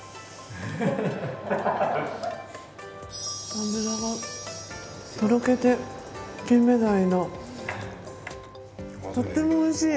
脂がとろけて金目鯛の、とってもおいしい。